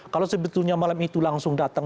kalau sebetulnya malam itu langsung datang